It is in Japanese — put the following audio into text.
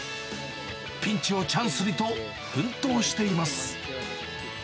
ピンチをチャンスにと、奮闘しています。